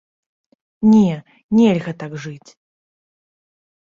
Не, нельга так жыць!